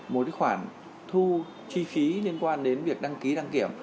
một khoản thu chi phí liên quan đến việc đăng ký đăng kiểm